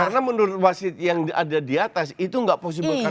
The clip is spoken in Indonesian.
karena menurut wasit yang ada di atas itu gak possible kartu merah